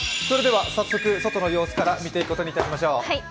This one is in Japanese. それでは早速外の様子から見ていくとことにいたしましょう。